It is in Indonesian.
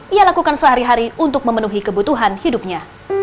ia lakukan sehari hari untuk memenuhi kebutuhan hidupnya